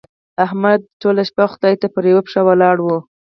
احمد ټوله شپه خدای ته پر يوه پښه ولاړ وو.